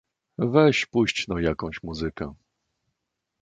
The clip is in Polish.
Weź puść no jakaś muzykę.